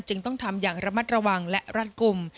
จึงต้องทำอย่างระมัดระวังและรัดกลุ่ม